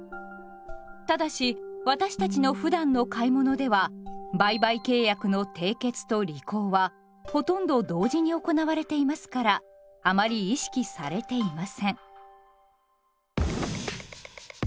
ただし私たちのふだんの買い物では売買契約の締結と履行はほとんど同時に行われていますからあまり意識されていません。